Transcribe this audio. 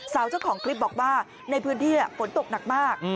เจ้าของคลิปบอกว่าในพื้นที่ฝนตกหนักมาก